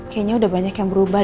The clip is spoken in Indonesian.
kayaknya udah banyak yang berubah